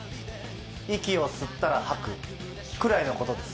息を吸ったら吐くくらいのことです。